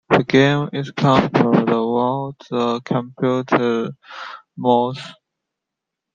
The game is controlled via the computer's mouse.